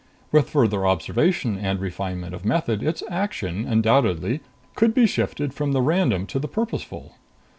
With further observation and refinement of method, its action undoubtedly could be shifted from the random to the purposeful.